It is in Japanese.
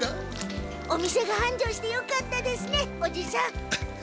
お店がはんじょうしてよかったですねおじさん！